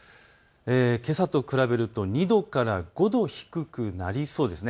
けさと比べると２度から５度、低くなりそうです。